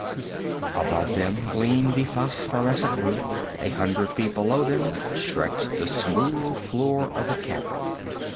Above them gleamed the phosphorescent roof; a hundred feet below them stretched the smooth floor of the cavern.